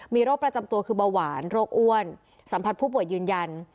มีโรคประจำตัวคือเบาหวานโรคอ้วนสัมผัสผู้ป่วยยืนยัน